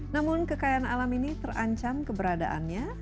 namun kekayaan alam ini terancam keberadaannya